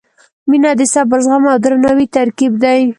• مینه د صبر، زغم او درناوي ترکیب دی.